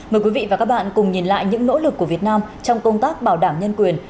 mời quý vị và các bạn cùng nhìn lại những nỗ lực của việt nam trong công tác bảo đảm nhân quyền